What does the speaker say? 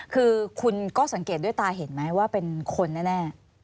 คือคุณก็สังเกตด้วยตาเห็นไหมว่าเป็นคนแน่